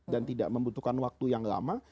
dan tidak membutuhkan waktu yang lama